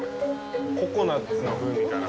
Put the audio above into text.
ココナッツの風味かな。